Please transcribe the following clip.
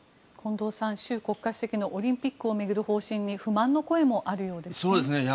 近藤さん、習国家主席のオリンピックを巡る方式に不満の声もあるようですね。